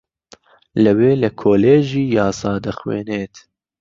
لەوێ لە کۆلێژی یاسا دەخوێنێت